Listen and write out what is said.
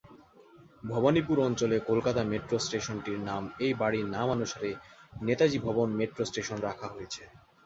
ভবানীপুর অঞ্চলের কলকাতা মেট্রো স্টেশনটির নাম এই বাড়ির নামানুসারে "নেতাজি ভবন মেট্রো স্টেশন" রাখা হয়েছে।